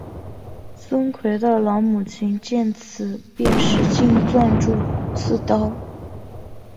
孙奎的老母亲见此便使劲攥住刺刀。